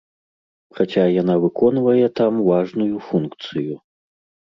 Хаця яна выконвае там важную функцыю.